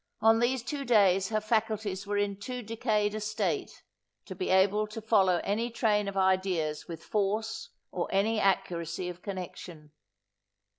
On these two days her faculties were in too decayed a state, to be able to follow any train of ideas with force or any accuracy of connection.